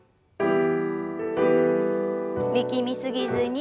力み過ぎずに。